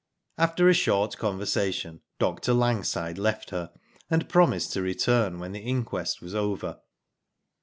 After a short conversation Dr. Langside left her, and promised to return when the inquest was over.